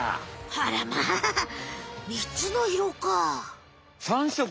あらまあ３つの色か！